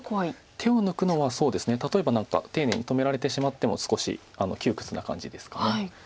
手を抜くのは例えば丁寧に止められてしまっても少し窮屈な感じですか。